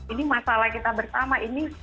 ini masalah kita bersama